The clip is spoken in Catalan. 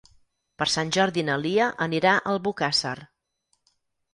Per Sant Jordi na Lia anirà a Albocàsser.